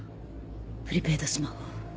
プリペイドスマホ。